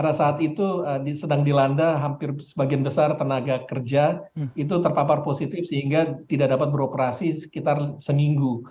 karena saat itu yang sedang dilanda hampir sebagian besar tenaga kerja itu terpapar positif sehingga tidak dapat beroperasi sekitar seminggu